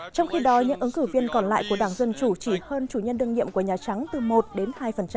trong khi đó những ứng cử viên còn lại của đảng dân chủ chỉ hơn chủ nhân đương nhiệm của nhà trắng từ một đến hai